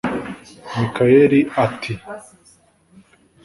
Michael ati